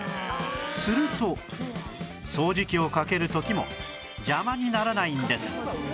すると掃除機をかける時も邪魔にならないんです